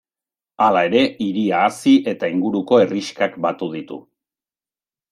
Hala ere, hiria hazi eta inguruko herrixkak batu ditu.